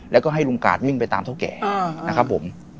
แล้วก็ให้ลุงกาดวิ่งไปตามเท่าแก่นะครับผม